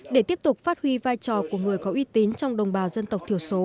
để tiếp tục phát huy vai trò của người có uy tín trong đồng bào dân tộc thiểu số